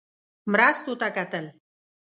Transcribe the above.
مرستو ته کتل.